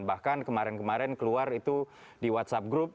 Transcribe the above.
bahkan kemarin kemarin keluar itu di whatsapp group